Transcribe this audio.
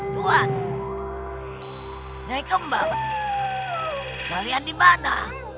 tuan nyai kembang kalian di mana